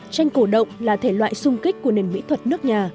tranh cổ động là thể loại sung kích của nền mỹ thuật nước nhà